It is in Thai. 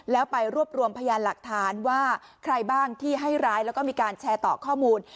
แล้วไปรวบรวมพยานหลักฐานว่าใครบ้างที่ให้ร้ายแล้วก็มีการแชร์ต่อข้อมูล